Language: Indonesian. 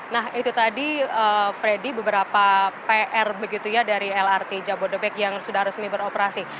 nah itu tadi freddy beberapa pr begitu ya dari lrt jabodebek yang sudah resmi beroperasi